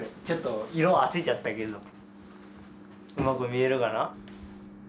ちょっと色あせちゃったけどうまく見えるかな？